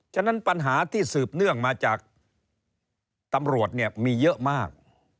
ฉะนั้นปัญหาที่สืบเนื่องมาจากตำรวจเนี่ยมีเยอะมาก